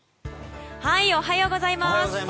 おはようございます。